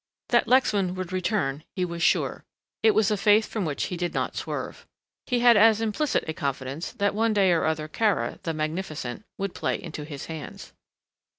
That Lexman would return he was sure. It was a faith from which he did not swerve. He had as implicit a confidence that one day or other Kara, the magnificent, would play into his hands.